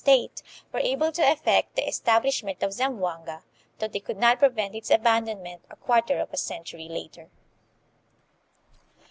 197 state, were able to effect the establishment of Zamboanga, though they could not prevent its abandonment a quarter of a century later.